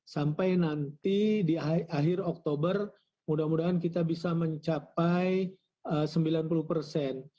sampai nanti di akhir oktober mudah mudahan kita bisa mencapai sembilan puluh persen